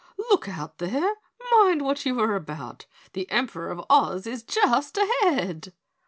"Look out there, mind what you are about, the Emperor of Oz is just ahead!"